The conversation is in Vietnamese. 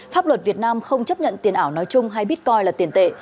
pháp luật việt nam không chấp nhận tiền ảo nói chung hay bitcoin là tiền tệ